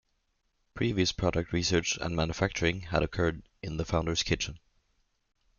Previous product research and manufacturing had occurred in the founder's kitchen.